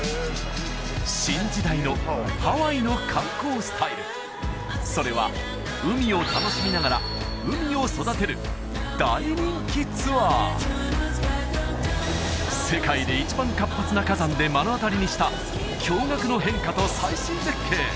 新時代のハワイの観光スタイルそれは海を楽しみながら海を育てる大人気ツアー世界で一番活発な火山で目の当たりにした驚愕の変化と最新絶景